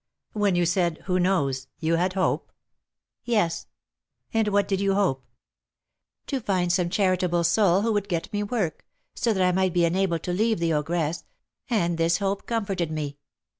'" "When you said 'who knows,' you had hope?" "Yes." "And what did you hope?" "To find some charitable soul who would get me work, so that I might be enabled to leave the ogress; and this hope comforted me.